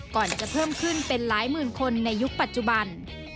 ก่อนจะเพิ่มขึ้นเป็นหลายหมื่นคนในยุคปัจจุบัน